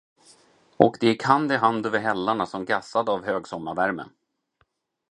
Och de gick hand i hand över hällarna, som gassade av högsommarvärme.